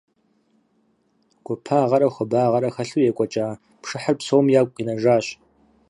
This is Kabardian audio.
Гуапагъэрэ хуабагъэрэ хэлъу екӀуэкӀа пшыхьыр псоми ягу къинэжащ.